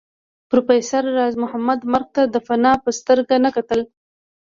پروفېسر راز محمد مرګ ته د فناء په سترګه نه کتل